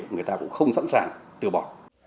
người ta cũng không sẵn sàng từ bỏ